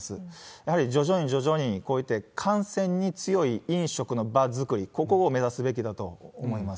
やはり徐々に徐々に、こういった感染に強い飲食の場作り、ここを目指すべきだと思います。